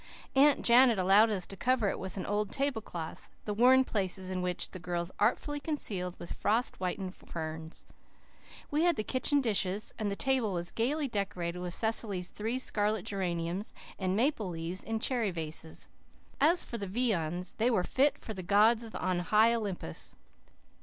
Aunt Janet allowed us to cover it with an old tablecloth, the worn places in which the girls artfully concealed with frost whitened ferns. We had the kitchen dishes, and the table was gaily decorated with Cecily's three scarlet geraniums and maple leaves in the cherry vase. As for the viands, they were fit for the gods on high Olympus.